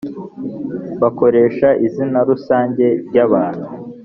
Bakoreshaga izina rusange ry abantu